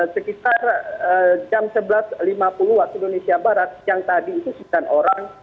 sekitar jam sebelas lima puluh waktu indonesia barat yang tadi itu sembilan orang